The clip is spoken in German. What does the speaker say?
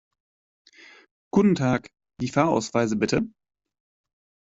Guten Tag, die Fahrausweise bitte!